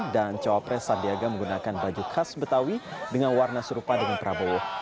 dan cawapres sadiaga menggunakan baju khas betawi dengan warna serupa dengan prabowo